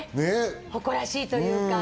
誇らしいというか。